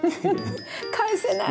返せない。